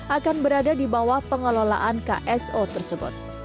akan berada di bawah pengelolaan kso tersebut